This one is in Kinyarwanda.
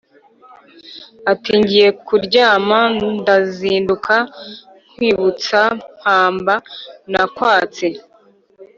Ati: ngiye kuryamaNdazinduka nkwibutsampamba nakwatse